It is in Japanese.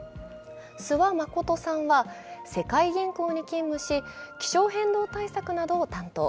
諏訪理さんは世界銀行に勤務し、気象変動対策などを担当。